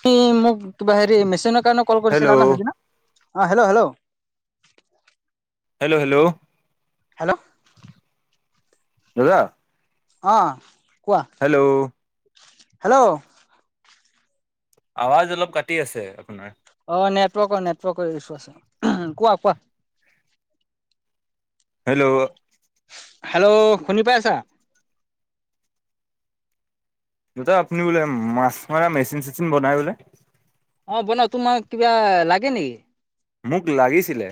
সি মোক কিবা হেৰি মেচিনৰ কাৰণে কল কৰিছিলা না হেল্ল' সেইদিনা। আহ hello hello? Hello hello! Hello. দাদা। অঁ। হেল্ল'। হেল্ল'। আৱাজ অলপ কাটি আছে আপোনাৰ। অঁ নেটৱৰ্কৰ নেটৱৰ্কৰ ইছোঁ আছে। কোৱা কোৱা । হেল্ল'। হেল্ল' শুনি পায়ছা। দেউতা আপুনি বোলে মাছ মৰা মেচিন চেচিন বনায় বোলে। অঁ বনাও তোমাক কিবা লাগে নেকি। মোক লাগিছিলে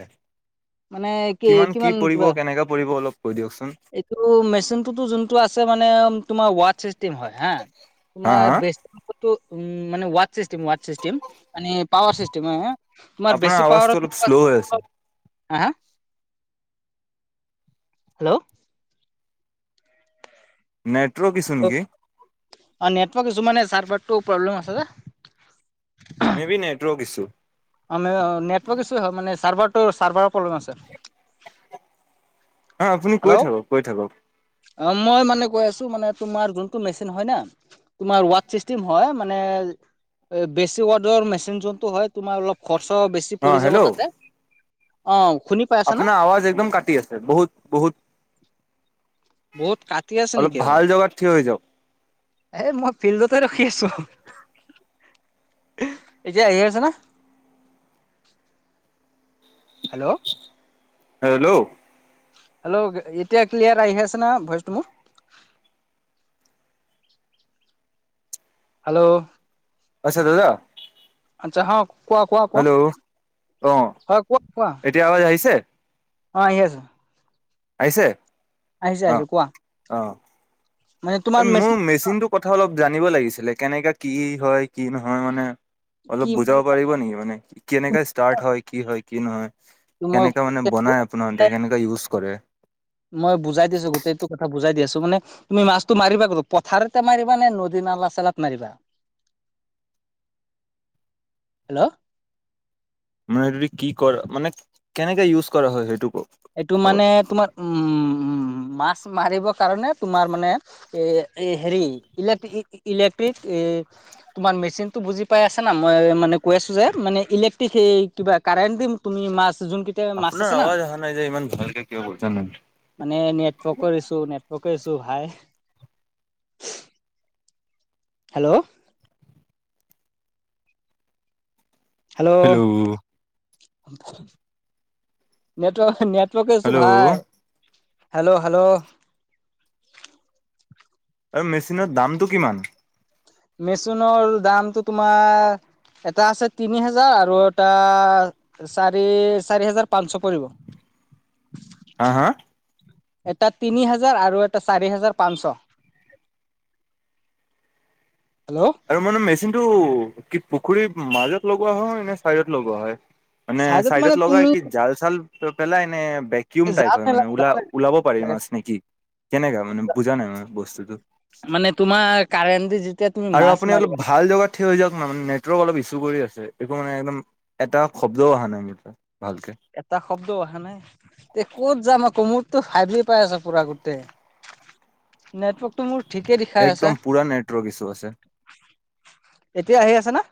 কিমান কি পৰিব কেনেকে পৰিব অলপ। কৈ দিয়কচোন এইটো মেচিনটোতো যোনটো আছে মানে তোমাৰ ৱাট চিষ্টেম হয় হাঁ। হা তোমাৰ হা উ মানে ৱাট চিষ্টেম ৱাট চিষ্টেম মানে পাৱাৰ চিষ্টেম। তোমাৰ আপোনাৰ বেছি পাৱাৰ। আৱাজটো অলপ শ্ল' হৈ আছে। হা হ হেল্ল'। নেট্ৰ ইছুনেকি? কিছুমানে চাৰ প্ৰব্লেম আছে যে। May be network issue. আমি নেটৱৰ্ক ইছ হয় মানে চাৰ্ভাৰত চাৰ্ভাৰত প্ৰব্লেম আছে। অ আপুনি কৈ হেল্ল' থাকক কৈ থাকক। অ মই মানে কৈ আছোঁ মানে তোমাৰ যোনটো মেচিন হয় ন। তোমাৰ ৱড চিষ্টেম হয় মানে বেছি ৱডৰ মেচিন যোনটো হয় তোমাৰ অলপ খ। খৰচ বেছি অ পৰি যাব হেল্ল' তাতে অ। শুনি পাই আছা না? আপোনাৰ আৱাজ একদম কাটি আছে বহুত বহুত। বহুত কাটি অলপ ভাল জগাত থঠিক হৈ য। এ মই ফিল্ডতে ৰখি আছো। এতিয়া আহি আছে ন। হেল্ল'। হেল্ল'। হেল্ল' এতিয়া ক্লিয়াৰ আহিআছে না ভইচটো মোৰ। হেল্ল'। আছে দাদা। আচ্ছা হ কোৱা কোৱা কোৱা হেল্ল' অ হয় কোৱা কোৱা। এতিয়া আৱাজ আহিছে অ আহি আছে। আহিছে। আহিছো আহিছো কোৱা। মানে এ তোমাৰ মোৰ মেচিন মেচিনটোৰ কথা অলপ জানিব লাগিছিলে কেনেকাে কি হয় কি নহয় মানে। কি অলপ বুজাব পাৰিব নেকি মানে কেনেকাে ষ্টাৰ্ট হয় কি হয় কি নহয়। কেনেকা মানে বনাই মই আপোনাৰতে কেনেককা ইউজ কৰে। মই বুজাই দিছো গোটেইটো কথা বুজাই দি আছো। ত মানে তুমি মাছটো মাৰিবা গ'ল পথাৰতে মাৰিবা নে নদী নালা চালাত মাৰিবা। হেল্ল'। মানে সেইটোদি কি কৰা মানে কেনেকে ইউজ কৰা হয় সেইটো। কওক এইটো আগত মানে তোমাৰ উম উ মাছ। মাৰিবৰ কাৰণে তোমাৰ মানে হেৰি ইলেক্ট্ৰ ইলেক্ট্ৰিক। তোমাৰ মেচিনতটো বুজি পাই আছে না মই মানে কৈ আছো যে মানে ইলেক্ট্ৰিক স কিবা কাৰেণ্ট দিম। তুমি মাছ যোনকেইটা মাছ আপোনাৰ আছে না। আৱাজ অহা নাই যে ইমান ভালকে কিয় কৈছা ন। মানে নেটৱৰ্কৰ ইছো নেটৰ্। শ কৈছো ভাই। হেল্ল', হেল্ল', [inaudible] নেটৱ নেটৱৰ্ককেইছো হেল্ল' ভাই। হেল্ল', -হেল্ল', আৰু মেচিনৰ দামটো কিমান? মেচুনৰ দামটো তোমাৰ এটা আছে তিনি হেজাৰ আৰু এটা চাৰি -চাৰি হেজাৰ পাঁচচ পৰিব। [inaudible] হা -হা। এটা তিনি হাজাৰ আৰু এটা চাৰি হাজাৰ পাঁচছ। [inaudible] আৰু মানে মেচিন টো কি পুখুৰীৰ মাজত লগোৱা হয় নে চাইডত লগোৱা হয়? মানে মানে চাইডত তুমি লগাই কি জাল -চাল পেলাই নে ভেকিউম টাইপ যাব হয় মানে নালাগে ওলা যাব -ওলাব পাৰি নালাগে মাছ নেকি। কেনেকা মানে বুজা নাই মই বস্তুটো কাৰেণ্ট দি যিট আৰু আপুনি অলপ ভাল জগাত থিয় হৈ যাওক না মানে নেটৱৰ্ক অলপ ইচ কৰি আছে একো মানে একদম এটা শব্দও আহা নাই মানে এটা এটা শব্দ আহা নাই তে ক'ত যাম আকৌ মোৰ টো ফাইভ জি পাই আছে পুৰা গোটে নেটৱৰ্ক টো মোৰ ঠিকে দেখাই আছে একদম পুৰা নেটৱৰ্ক ঈষু আছে। এতিয়া আহি আছা না?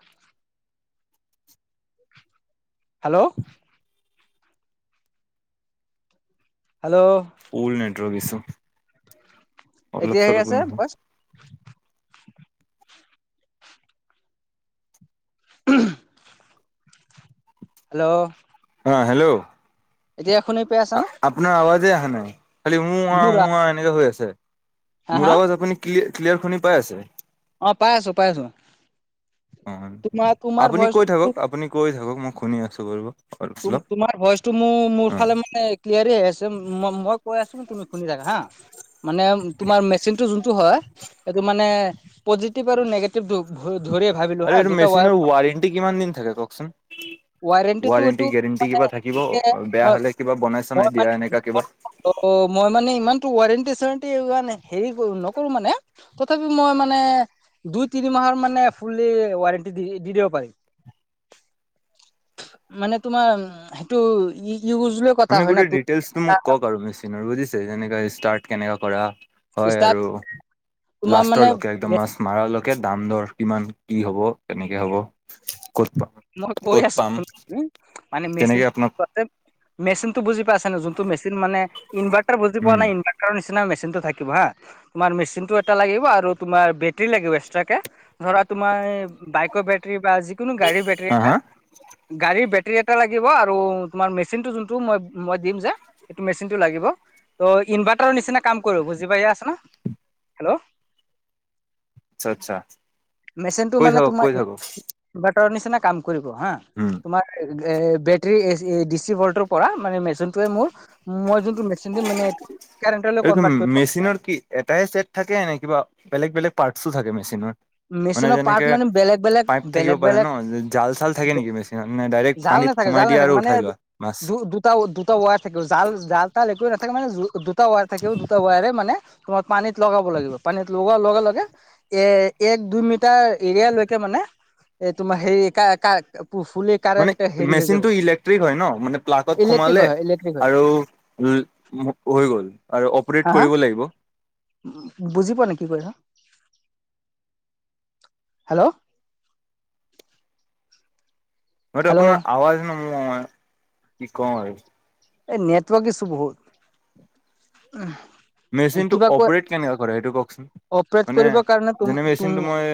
হেল্ল', হেল্ল', ৰবিছোন। এতিয়া আহি আছে, ভইচ? [unintelligible] হেল্ল', অ', হেল্ল', এতিয়া শুনি পাই আছা না আপোনাৰ আৱাজে আহা নাই খালি উ আ মোৰ -উ আ এনেকে হৈ আছে। হা মোৰ আৱাজ আপুনি ক্লি- ক্লিয়াৰ শুনি পাই আছে? অ'পাই আছো- পাই আছো। অ' তোমাৰ তোমাৰ আপুনি কৈ ভইচটো থাকক- আপুনি কৈ থাকক মই শুনি আছো বাৰু। অলপ তুম চলপ তোমাৰ ভইচটো মোৰ-মোৰ অ'। ফালে মানে ক্লিয়াৰি আহি আছে মই কৈ আছো তুমি শুনি থাকা হা মানে তোমাৰ মেচিনটো যোনটো হয়, সেইটো মানে পজিটিভ আৰু নিগেটিভ [unintelligible] ধৰিয়ে ভাবিলোঁ আৰু হা, এইটো দুটা ৱাই মেচিনৰ ৱাৰেণ্টি কিমান দিন থাকে কওকচোন? [inaudible] ৱাৰেণ্টিত টো ৱাৰেণ্টি গেৰেণ্টি মানে কিবা থাকিব ঠিকেই, বেয়া মই- হ'লে কিবা বনাই মই চনাই দিয়া মানে [unintelligible] এনেকা কিবা। মই মানে ইমানটো ৱাৰেণ্টি -চাৰেণ্টি ইমান হেৰি কৰো নকৰোঁ মানে তথাপি মই মানে দুই তিনি মাহৰ মানে ফুললি ৱাৰেণ্টি দি-দি দিব পাৰিম। [inaudible] মানে তোমাৰ সেইটো ই মানে গোটেই ডিটেইলচটো মোক ক'ক আৰু মেচিনৰ বুজিছে যেনেকে ষ্টাৰ্ট কেনেকে কৰা? হয়, ষ্টাৰ্ট আৰু তোমাৰ মানে লাষ্টৰলৈকে একদম মাছ মাৰা লৈ কে দাম- দৰ কিমান, কি হ'ব, কেনেকে হ'ব। ক'ত পাম মই কৈ ক'ত আছো পাম শুনা তুমি মানে মেচিন তেনেকে আপোনাক [unintelligible] মেচিন টো বুজি পাইছা নে যোনটো মেচিন মানে ইনভাৰ্টাৰ বুজি পোৱা উম, নে ইনভাৰ্টাৰ নিচিনা মেচিন টো থাকিব হা, তোমাৰ মেচিনটো এটা লাগিব আৰু তোমাৰ বেটৰী লাগিব এক্সট্ৰাকে ধৰা তোমাৰ বাইকৰ বেটৰী বা যিকোনো গাড়ীৰ বেটৰী হা এটা হা গাড়ী ৰীৰ বেটৰী এটা লাগিব আৰু তোমাৰ মেচিনটো যোনটো মই - মই দিম যে সেইটো মেচিনটো লাগিব ত' ইনভাৰ্টাৰৰ নিচিনা কাম কৰিব বুজি পাই আছা না, হেল্ল',? আচ্ছা- আচ্ছা মেচিনটো কৈ মানে থাকক- তোমাৰ কৈ থাকক। ইনভাৰ্টাৰৰ নিচিনা কাম কৰিব হা, উম। তোমাৰ এ বেটৰী এচি ডিচি ভল্টৰ পৰা মানে মেচিনটোৱে মোৰ মই মেচিন দিম মানে কাৰেণ্টলৈ এইটো কনভাৰ্ট কৰিব মেচিনৰ কি এটায়ে ছেট থাকে নে কিবা বেলেগ-বেলেগ পাৰ্টছো থাকে মেচিনৰ। মানে মেচিনৰ পাৰ্ট যেনেকে মানে বেলেগ বেলেগ পাইপ থাকিব বেলেগ পাৰে বেলেগ ন, জাল চাল থাকে নেকি মেচিনত নে ডাইৰেক্ট পা জাল নাথাকে জাল নাথাকে মানে দু দুটা- দুটা ৱাৰ থাকে জাল- জাল তাল একোৱে না থাকে মানে দুটা ৱায়াৰ থাকে দুটা ৱায়াৰে মানে তোমাৰ পানীত লগাব লাগিব, পানীত লগোৱাৰ লগে- লগে এ এক দুই মিটাৰ এৰিয়ালৈকে মানে এই তোমাৰ হেৰি কাৰ- কাৰ মানে মেচিনটো ইলেক্ট্ৰিক হয় ন মানে প্লাকত ইলেক্ট্ৰিক সোমালে হয় ইলেক্ট্ৰিক হয় আৰু হৈ গ'ল আৰু অপৰেত কৰিব লাগিব। উম, বুজি পোৱাা নাই কি কৈছা। হেল্ল'। হয়তো আপোনাৰ হেল্ল' আৱজ ন ম কি কওঁ আৰু। এই নেটৱৰ্ক ইছো বহুত ।উ, মেচিনটো অপাৰেট কেনেকুৱা কৰে, সেইটো কওকচোন? অপাৰেট মানে কৰিবৰ কাৰণে তুম যেনে তুম মেচিনটো মই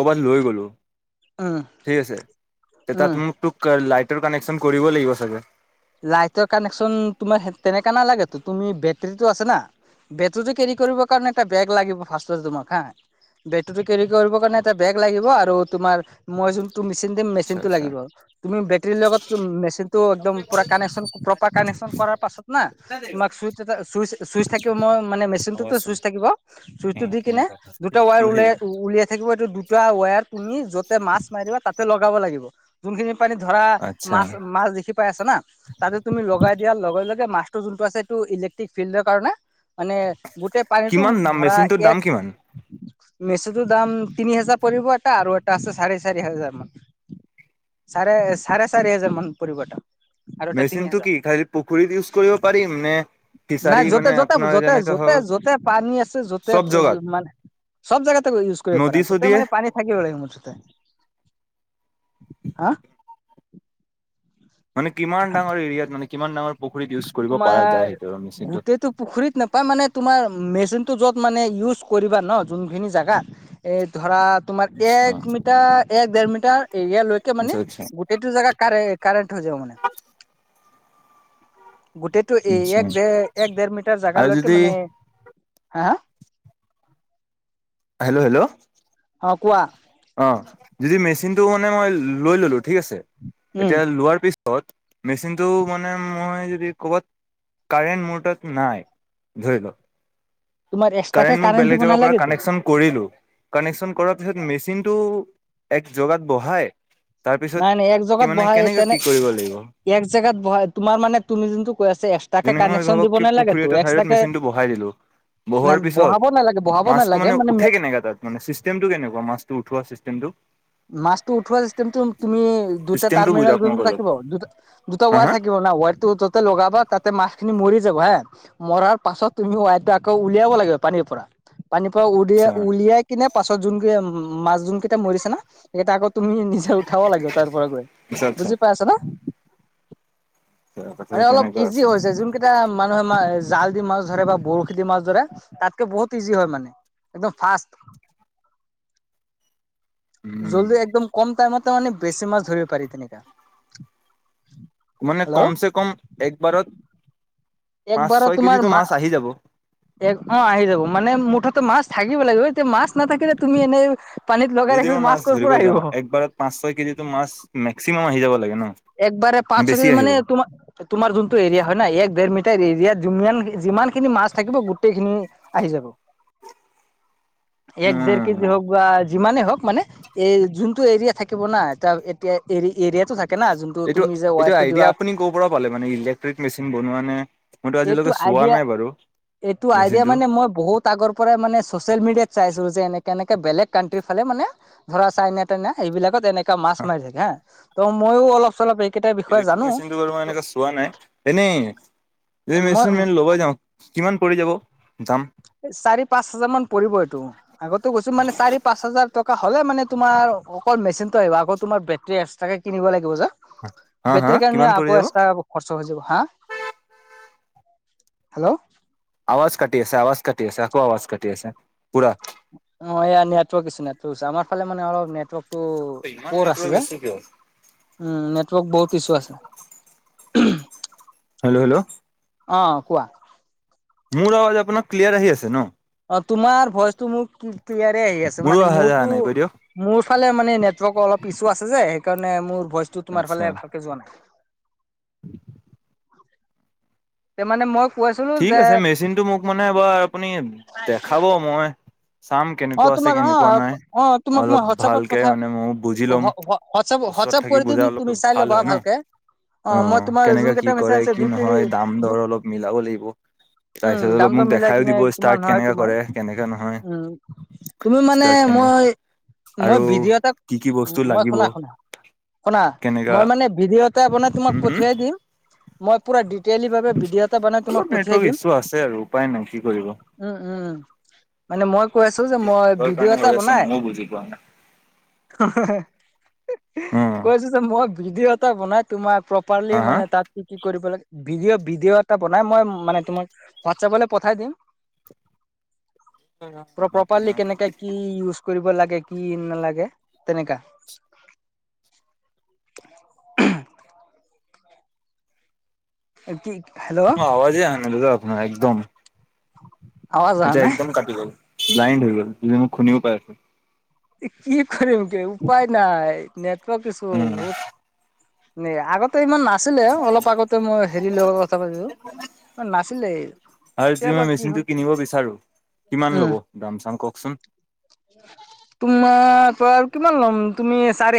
কৰবাত লৈ গ'লো উম ঠিক আছে, উম তাত মোক তোক লাইটৰ কানেকন কৰিব লাগিব চাগে? লাইটৰ কানেকচন তোমাৰ তেনেকা নালাগেতো, তুমি বেটৰীটো আছে না বেটেৰী তো কেৰি কৰিবৰ কাৰণে এটা বেগ লাগিব ফাৰ তমাৰ হা। বেটেৰী তু কেৰি কৰিবৰ কাৰণে এটা বেগ লাগিব আৰু তোমাৰ মই যোন টো মেচিন দিম মেচিন আচ্ছা টো আচ্ছা। লাগিব। তুমি বেটেৰীৰ লগত মেচিন টো একদম পুৰা কানেকশ্যন প্ৰপাৰ কানেকশ্যন কৰাৰ পাছত না তোমাক চুইচ এটা চুইচ চুইচ থাকিব মই মানে অ', মেচিনটোতো আছে চুইচ থাকিব। চুইচটো দি কিনে দুটা ৱায়াৰ উম, উলাই উলিয়াই থাকিব এইটো দুটা ৱায়াৰ পুনি য'তে মাছ মাৰি তাতে লগাব লাগিব ।যোনখিনি পানীত ধৰা আচ্ছা মাছ মাছ দেখি পাই আছে না তাতে তুমি লগাই দিয়াৰ লগে লগে মাছটো যোনটো আছে এইটো ইলেক্ট্ৰিক ফিল্ডৰ কাৰণে মানে গোটেই পানীটো ম কিমান দাম ধৰা মেচিনটোৰ দাম এক- কিমান? মেচুটোৰ দাম তিনি হাজাৰ পৰিব এটা আৰু এটা আছে চাৰে চাৰি হাজাৰ মান। চাৰে, চাৰে চাৰি হাজাৰ মান পৰিব এটা। আৰু এটা তিনি মেচিনটো হাজাৰ। কি? খালি পুখুৰীত ইউজ কৰিব পাৰিম নে? নাই ফিচাৰী য'তে, মানে য'তে, আপোনাৰ য'তে, যেনেকে য'তে, হওক য'তে পানী আছে য'তে চব জগাত মানে- সব জাগাতে ইউজ কৰিব পাৰা। নদী য'তে চদীয়ে মানে পানী থাকিব লাগে মোঠতে। হা। মানে কিমান ডাঙৰ এৰিয়াত মানে কিমান ডাঙৰ পুখুৰীত ইউজ কৰিব প পৰা যায় সেইটো? মেচিনটো? গোটটো পুখুৰীত নোপায় মানে তোমাৰ মেচিনতটো য'ত মানে ইউজ কৰিবা ন যোনখিনি জেগা এই ধৰা। তোমাৰ এক আচ্ছা মিটাৰ এক দেৰ মিটাৰ এৰিয়া লৈকে মানে আচ্ছা গোটেইটো জোগাাৰে কাৰেন্ট হৈ যায়। মানে। গোটটো এই এক আচ্ছা দেৰ এক দেৰ মিটাৰ আৰু জোগালৈকে যদি মানে, হা। Hello hello. অ, কোৱা? অ, যদি মেচিনটো মানে মই লৈ ললো ঠিক আছে, উম এতিয়া লোৱাৰ পিছ ত, মেচিনটো মানে মই যদি ক'ৰবাত কাৰাৰেণ্ট মোৰ তাত নাই ধৰিল, তোমাৰ এক্সট্ৰাকে কাৰেং কাৰেণ্ট বেলেগ দিব জেগাত পৰা নালাগেতো কানেকশ্বন কৰিলোঁ । কানেকশ্বন কৰাৰ পিছত চিনটো এক জগাত বহাই তাৰপিছত নাই নাই এক জেগাত কি মানে বহাই কেনেকে তেনে কি কৰিব লাগিব? এক জেগাত বা তোমাৰ মানে তুমি যোনটো কৈ আছ এক্সট্ৰাকে যেনে মই কানেকশ্যন দিব নালাগেতো। এক্সট্ৰাকে ব, [inaudible] নাই [unintelligible] পিছত বহাব নালাগে বহাব মাছটো নালাগে মানে উঠে কেনে তাত মানে চিষ্টেমটো কেনেকুৱা মাছটো উঠোৱা ? চিষ্টেম টো। মাছটো উঠোৱা চিষ্টেমটো তুমি দুটা চিষ্টেমটো টাৰ্মিল বুজাওক মোক জুনটো অলপ থাকিব দু দুটা হা ৱাৰ হা থাকিব ৱাৰটো টোটেল লগাব তাতে মাছখিনি মৰি যাব হা। মৰাৰ পাছত তুমি ৱাইটো আকৌ উলিয়াব লাগিব পানীৰ পৰা। পানীৰ পৰা উলিয়াই আচ্ছা উলিয়াই কিনে পাছত যোন কেই উম মছ যোন কেইটা সেইে আকৌ তুমি নিজে উঠাব লাগিব তাৰ পৰা গৈ আচ্ছা আচ্ছা বুজি পাইছা না? কথা মানে অলপ তেনেকুৱা ইজি আছে। হৈছে যোন কেইটা মানুহে জাল দি মাছ ধৰে বা বৰশী দি মাছ ধৰে তাতকে বহুত ইজি হয় মানে। একদম ফাৰ্ষ্ট। উম জল্দি একদম কম টাইমতে মানে বেছি মাছ ধৰিব পাৰি তেনেকা। মানে হেল্ল' কমছেকম একবাৰত পাঁচ একবাৰত ছয় তোমাৰ কেজিটো মা মাছ আহি যাব। অ আহি যাব মানে মুঠতে মাছ থাকিব লাগিব এতিয়া মাছ নাথাকিলে তুমি এনেই পানীত লগাই যদি ৰাখিলে মই মাছ কৰ ধৰিব পৰা আহিব যাওঁ, একবাৰত পাঁচ ছয় কেজি মাছ মেক্সিমাম আহি যাব লাগে ন? একবাৰে পাঁচ ছয় বেছি কেজি আহিব মানে তোমাৰ যোনটো এৰিয়া হয় না এক দেৰ মিটাৰ এ এৰিয়াত যুম যিমান খিনি মাছ থাকিব গোটেই খিনি আহি যাব। এক দেৰ উম কেজি হওঁক বা যিমানেই হওক মানে এই যোনটো এৰিয়া থাকিব না এটা এতিয়া এৰিয়াতটো থাকিব এইটো এইটো আইডিয়া আপুনি ক'ৰ পৰা পালে মানে ইলেক্ট্ৰিক মেচিন বনোৱা নে মই তু এইটো আজিলে হোৱা আইডিয়া নাই বাৰু। এইটো আইডিয়া মেচিনটো মানে মই বহুত আগৰ পৰাই মানে চচিয়েল মিডিয়া চাইছো যে এনেকে এনেকে বেলেগ কানণ্ট্ৰিৰ ফালে মানে ধৰা চাইনা তাইনা সেইবিলাকত এনে মাছ মাৰি থাকে হা ত' মইো অলপ চলপ এইকেইটাৰ বিষয়ে ইলেক্ট্ৰিক জানো মেচিনটো বাৰু মই এনেকা চোৱা নাই। এনেই এই মই মেচিন ম ল'ব যাওঁ কিমান পৰি যাব দাম? চাৰি পাঁচ হাজাৰ মান পৰিব এইটো, আগতে গৈছো মানে চাৰি পাঁচ হাজাৰ টকা হ'লে মানে তোমাৰ অকল মেচিনটো আহিব আকৌ তোমাৰ বেটেৰী এক্সট্ৰাকে কিনিব লাগিব যে। হা হা বেটেৰি কাৰণ কিমান পৰি আকৌ যাব এক্সট্ৰা খৰচ। হৈ যাব হা? হেল্ল'? আৱাজ কাটি আছে আৱাজ কাটি আছে আকৌ আৱাজ কাটি আছে পুৰা। অ এয়া নেটৱৰ্ক ইছোঁ নেটৱৰ্ক আমাৰ ফালে মানে অলপ নেটৱৰ্ক টো ইমান প'ৰ আছে নেটৱৰ্ক যে, ইছ্যু কিয় উম নেটৱৰ্ক বহুত ইছ্যু আছে। Hello hello. অ কোৱা। মোৰ আৱাজ আপোনাক ক্লিয়াৰ আহি আছে ন? অ তোমাৰ ভইচটো মোৰ ক্লিয়াৰ আহি আছে মোৰো মানে অহা যোৱা মোৰতো নাই কৈ দিয়ক মোৰ ইফালে মানে নেটৱৰ্ক অলপ ইছু আছে যে সেইকাৰণে মোৰ ভইচটো আচ্ছা তোমাৰফালে ভালকে যোৱা নাই। [inaudible] তে মানে মোক ঠিক আছে মেচিনটো মোক মানে এবাৰ আপুনি দেখাব, মই চাম অ কেনেকুৱা আছে তোমাক অ কেনেকুৱা নাই অ তোমাক মই অলপ হোৱাটছআপত ভালকে পথোৱা মানে ময়ো বুজি ল'ম হোৱাটছআপত ওচৰত হোৱাটছআপ থাকি কৰি বুজা দিম অলপ তুমি চাই ভাল ল'বা হয় ন ভালকে। অ মই তোমাৰ কেনেকা কি যুনকেইটা কৰে মেচীন আছে কি দুইতিনি নহয় দাম দৰ অলপ মিলাব লাগিব উম তাৰপিছত দাম অলপ দৰ মোক মিলাই দেখাইও কিনে দিব কিমান ষ্টাৰ্ট হয় কেনেকা তোমাৰ কৰে কেনেকা নহয় উম। তুমি মানে ষ্টাৰ্ট কেনে মই মই আৰু ভিডিঅ' এটা কি কি বস্তু মই লাগিব শুনা শুনা শুনা কেনেকা মই মানে ভিডিঅ এটা বানাই তোমাক উম হম পঠিয়াই দিম, মই পুৰা দিতেলি বাবে ভিডিঅ' এটা বনাই তোমাক অলপ পঠিয়াই নেটৱৰ্ক দিম ইছ্যু আছে আৰু উপায় নাই কি কৰিব উম উম উ। মানে মই কৈ আছো যে মই কিহৰ ভিডিঅ' কাৰণে এটা হৈ আছে বনাই ময়ো বুজি পোৱা নাই কৈছোঁ যে ভিডিঅ' এটা বনাই তোমাৰ প্ৰপাৰলি অ হা মানে তাত কি কি কৰিব লাগে। ভিডিঅ' ভিডিঅ' এটা বনাই মই মানে তোমাক হোৱাটছএপলৈ পঠাই দিম [inaudible] প্ৰপাৰলি হা কেনেকে কি ইউজ কৰিব লাগে কি নালাগে তেনেকা। [inaudible] কি হেল্ল' আৱাজেই অহা নাই দাদা আপোনাৰ একদম [inaudible] আচ্ছা নাই একদম কাটি গ'ল ব্লাইণ্ড হৈ গ'ল যদি মোক শুনিব পাই আছ কি কৰিম কে উপায় নাই নেটৱৰ্কছো চলো উম বহুত নেই আগতে ইমান নাছিলে অলপ আগতে মই হেৰি লগত কথা পতিছো। আৰু যদি মই কি মেচিন হয় টো কিনিব বিচাৰো। কিমান উম লব দাম চাম কওকচোন? তোমাৰ ত আৰু কিমান ল'ম তুমি চাৰি -